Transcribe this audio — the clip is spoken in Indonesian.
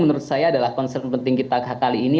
menurut saya adalah concern penting kita kali ini